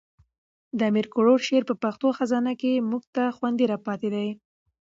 د امیر کروړ شعر په پټه خزانه کښي موږ ته خوندي را پاتي دي.